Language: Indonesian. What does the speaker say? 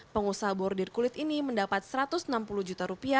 pengusaha bordir kulit ini mendapat rp satu ratus enam puluh juta